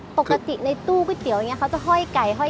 ปกติในตู้ก๋วยเตี๋ยวเขาจะห้อยไก่ค่ะ